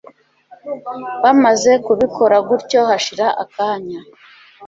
bamaze kubikora batyo hashira akanya